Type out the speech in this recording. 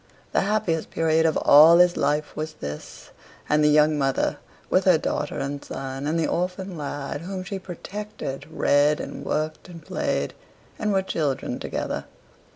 The happiest period of all his life was this; and the young mother, with her daughter and son, and the orphan lad whom she protected, read and worked and played, and were children together.